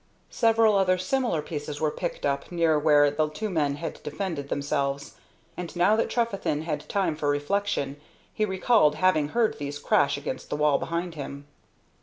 Several other similar pieces were picked up near where the two men had defended themselves, and, now that Trefethen had time for reflection, he recalled having heard these crash against the wall behind him.